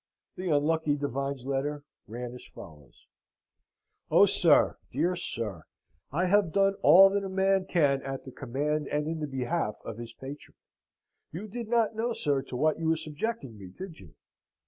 The unlucky divine's letter ran as follows: "Oh, sir, dear sir, I have done all that a man can at the command and in the behalf of his patron! You did not know, sir, to what you were subjecting me, did you?